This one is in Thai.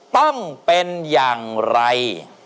ต้องเป็นอย่างไร